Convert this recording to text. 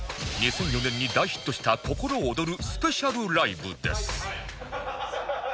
２００４年に大ヒットした『ココロオドル』スペシャルライブです